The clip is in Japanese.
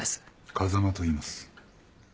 風間といいます。